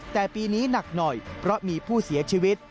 แต่ปีนี้หนักหน่อยเพราะมีผู้เสียชีวิต